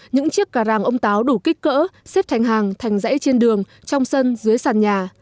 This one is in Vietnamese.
những chiếc gà ràng ông táo đủ kích cỡ xếp thành hàng thành dãy trên đường trong sân dưới sàn nhà